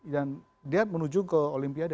dan dia menuju ke olimpiade